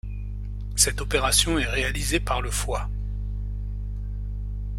Cette opération est réalisée par le foie.